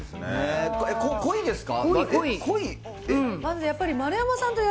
濃いですか？